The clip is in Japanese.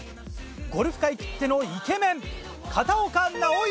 ゴルフ界きってのイケメン片岡尚之